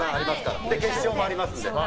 決勝もありますので。